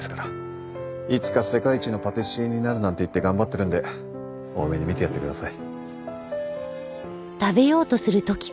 いつか世界一のパティシエになるなんて言って頑張ってるんで大目に見てやってください。